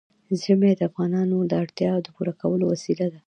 ژمی د افغانانو د اړتیاوو د پوره کولو وسیله ده.